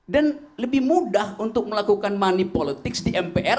dan lebih mudah untuk melakukan money politics di mpr